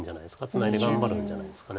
ツナいで頑張るんじゃないですか。